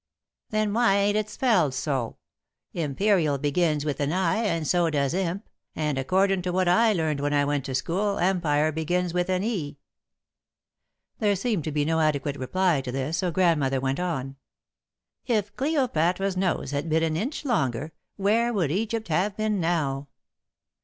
"Then why ain't it spelled so? Imperial begins with an i and so does imp, and, accordin' to what I learned when I went to school, empire begins with an e." There seemed to be no adequate reply to this, so Grandmother went on: "If Cleopatra's nose had been an inch longer, where would Egypt have been now?"